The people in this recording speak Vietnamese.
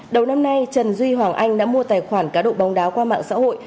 đầu năm nay trần duy hoàng anh đã mua tài khoản cá độ bóng đá qua mạng xã hội